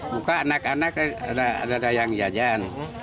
buka anak anak ada yang jajan